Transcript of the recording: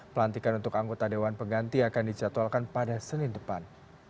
pelantikan untuk anggota dewan pengganti akan dijadwalkan pada senin depan